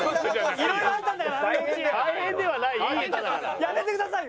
やめてくださいよ！